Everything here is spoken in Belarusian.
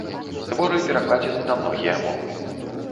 Творы перакладзены на многія мовы.